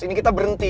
ini kita berhenti